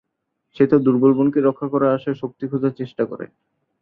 সে তার দূর্বল বোনকে রক্ষা করার আশায় শক্তি খোঁজার চেষ্টা করে।